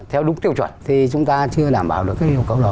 theo đúng tiêu chuẩn thì chúng ta chưa đảm bảo được cái yêu cầu đó